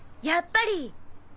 やっぱり！